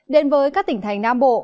đến với các tỉnh thành nam bộ